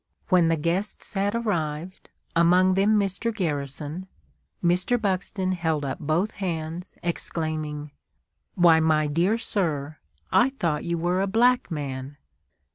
When the guests had arrived, among them Mr. Garrison, Mr. Buxton held up both hands, exclaiming, "Why, my dear sir, I thought you were a black man!"